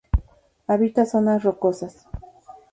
Habita zonas rocosas.